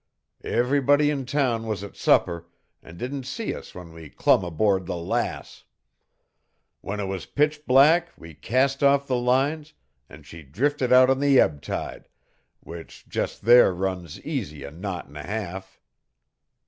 Everybody in town was at supper, an' didn't see us when we clumb aboard the Lass. When it was pitch black we cast off the lines, an' she drifted out on the ebb tide, which just there runs easy a knot an' a half.